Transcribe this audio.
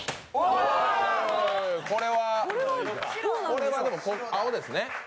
これはでも、青ですね。